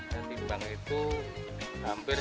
oh yang tingkatnya itu